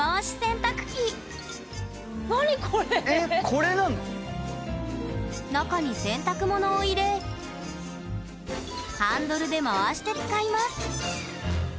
こちらが中に洗濯物を入れハンドルで回して使います